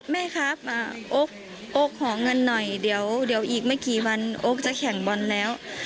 แม่ครับโอ๊คขอเงินหน่อยเดี๋ยวอีกไม่กี่วันโอ๊คจะแข่งบอลแล้ว